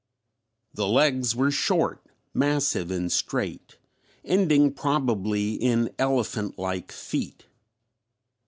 The legs were short, massive and straight, ending probably in elephant like feet.